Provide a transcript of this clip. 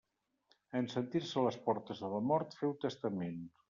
En sentir-se a les portes de la mort féu testament.